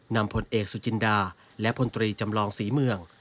พลเอกสุจินดาและพลตรีจำลองศรีเมือง